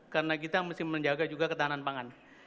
karena kita mesti menjaga juga ketahanan pangan